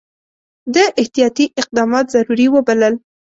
ده احتیاطي اقدامات ضروري وبلل.